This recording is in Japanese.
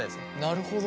なるほど。